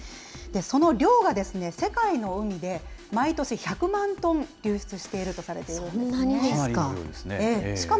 その量が世界の海で、毎年１００万トン流出しているとされているそんなにですか。